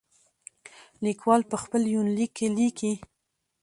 ليکوال په خپل يونليک کې ليکي.